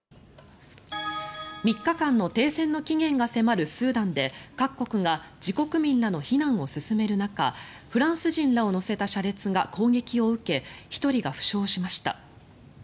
３日間の停戦の期限が迫るスーダンで各国が自国民らの避難を進める中フランス人らを乗せた車列が攻撃を受け１人が負傷しました。